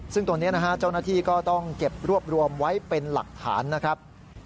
ซึ่งตรงนี้นะฮะเจ้าหน้าที่ก็ต้องเก็บรวบรวมไว้เป็นหลักฐานนะครับ